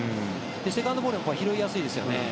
セカンドボールも拾いやすいですよね。